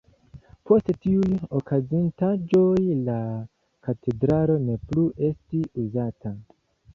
Post tiuj okazintaĵoj la katedralo ne plu estis uzata.